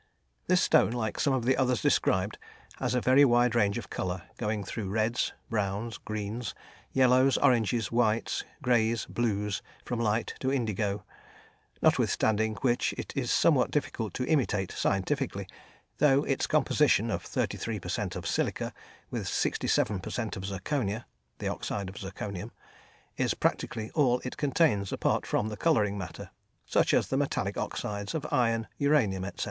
This stone, like some of the others described, has a very wide range of colour, going through reds, browns, greens, yellows, oranges, whites, greys, blues from light to indigo, notwithstanding which it is somewhat difficult to imitate scientifically, though its composition of 33 per cent. of silica with 67 per cent. of zirconia (the oxide of zirconium), is practically all it contains, apart from the colouring matter, such as the metallic oxides of iron, uranium, etc.